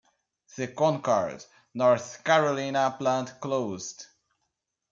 The Concord, North Carolina plant closed.